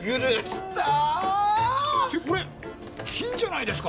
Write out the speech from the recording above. ってこれ金じゃないですか！？